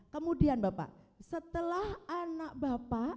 kemudian bapak setelah anak bapak